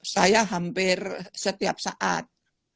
saya hampir setiap saat